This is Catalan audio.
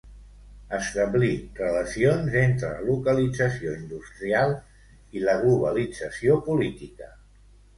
Establir relacions entre la localització industrial i la globalització política.